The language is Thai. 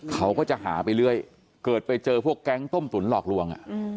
เขาก็จะหาไปเรื่อยเกิดไปเจอพวกแก๊งต้มตุ๋นหลอกลวง